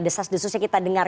desas desusnya kita dengar